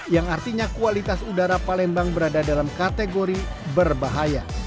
yang artinya kualitas udara palembang berada dalam kategori berbahaya